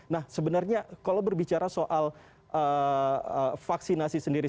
nah sebenarnya kalau berbicara soal vaksinasi sendiri sebenarnya kan sudah ada lampu hijau dari pemerintah